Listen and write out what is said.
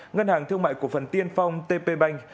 ngân hàng thương mại cổ phần tiên phong tp bank